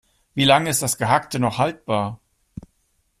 Wie lange ist das Gehackte noch haltbar?